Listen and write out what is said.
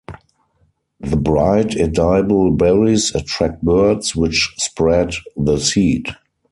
The bright edible berries attract birds, which spread the seed.